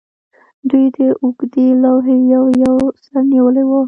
دوی د اوږدې لوحې یو یو سر نیولی و